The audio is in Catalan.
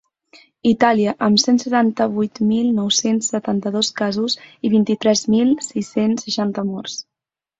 Itàlia, amb cent setanta-vuit mil nou-cents setanta-dos casos i vint-i-tres mil sis-cents seixanta morts.